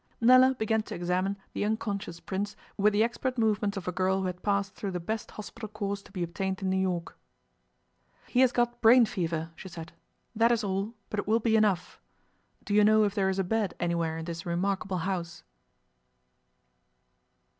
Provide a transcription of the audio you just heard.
Nella began to examine the unconscious Prince with the expert movements of a girl who had passed through the best hospital course to be obtained in New York. 'He has got brain fever,' she said. 'That is all, but it will be enough. Do you know if there is a bed anywhere in this remarkable house?